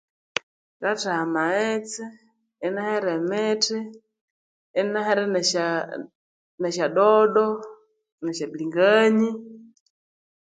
Ngateha amaghetse, inahere imiti inahere esyadodo nesya bilingania